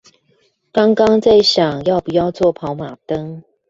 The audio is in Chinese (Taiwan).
剛剛在想要不要做跑馬燈